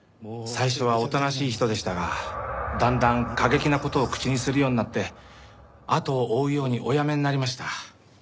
最初はおとなしい人でしたがだんだん過激な事を口にするようになってあとを追うようにお辞めになりました。